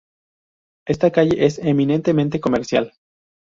Esta calle es eminentemente comercial.